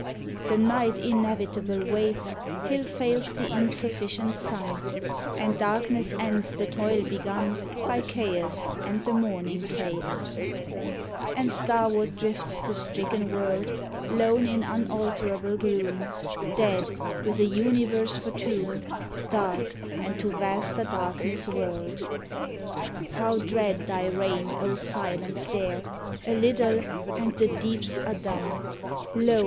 The Night inevitable waits Till fails the insufficient sun, And darkness ends the toil begun By Chaos and the morning Fates, And starward drifts the stricken world, Lone in unalterable gloom, Dead, with a universe for tomb, Dark, and to vaster darkness whirled. How dread thy reign, O Silence, there! A little, and the deeps are dumb Lo!